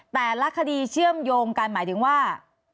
แต่ละคดีเชื่อมโยงกันหมายถึงว่า